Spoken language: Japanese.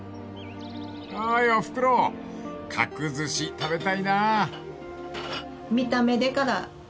［おーいおふくろ角寿司食べたいな］